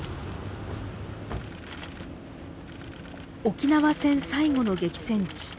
沖縄戦最後の激戦地